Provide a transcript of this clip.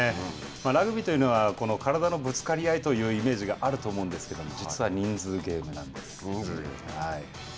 ラグビーというのは体のぶつかり合いというイメージがあると思うんですけど、実は人数ゲームなんです。